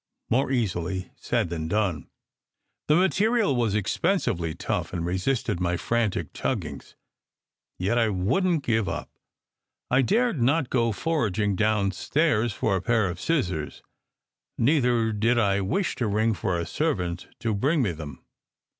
More easily said than done ! The material was expensively tough, and resisted my frantic tuggings, yet I wouldn t give up. I dared not go foraging downstairs for a pair of scissors; neither did I wish to ring for a servant to bring me them.